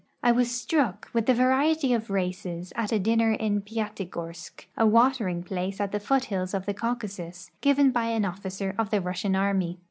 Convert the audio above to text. I was struck RUSSIA IN EUROPE 11 with the variet}'' of races at a dinner in Piatigorsk, a watering place at the foothills of the Caucasus, given by an officer of the Pussian army.